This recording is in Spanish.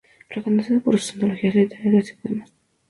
Reconocido por sus antologías literarias y poemas.